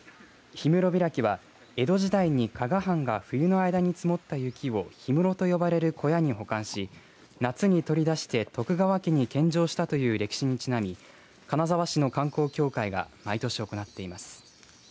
氷室開きは江戸時代に加賀藩が冬の間に積もった雪を氷室と呼ばれる小屋に保管し夏に取り出して徳川家に献上したという歴史にちなみ金沢市の観光協会が毎年、行っています。